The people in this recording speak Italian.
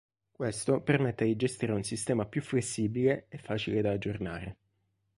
Questo permette di gestire un sistema più flessibile e facile da aggiornare.